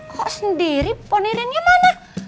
kok sendiri ponirinnya mana